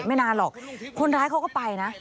ไม่นานหรอกคนร้ายเขาก็ไปนะ